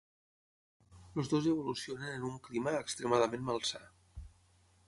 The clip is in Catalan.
Els dos evolucionen en un clima extremadament malsà.